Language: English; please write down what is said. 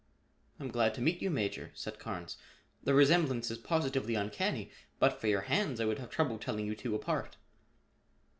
"I'm glad to meet you, Major," said Carnes. "The resemblance is positively uncanny. But for your hands, I would have trouble telling you two apart."